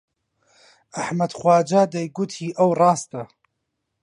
ئەحمەد خواجا دەیگوت هی ئەو ڕاستە